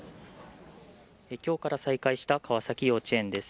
きょうから再開した川崎幼稚園です。